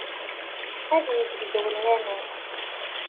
Ad yeg deg-wen laman.